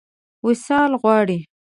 وصال غواړي.